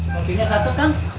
mobilnya satu kang